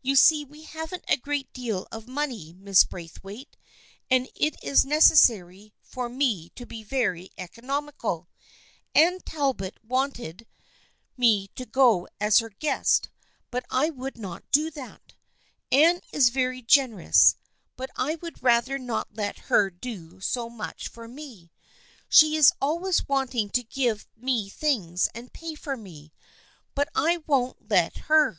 You see we haven't a great deal of money, Mrs. Braithwaite, and it is necessary for me to be very economical. Anne Talbot wanted 280 THE FRIENDSHIP OF ANNE me to go as her guest but I would not do that. Anne is very generous, but I would rather not let her do so much for me. She is always wanting to give me things and pay for me, but I won't let her."